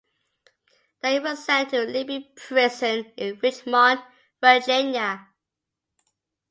They were sent to Libby Prison in Richmond, Virginia.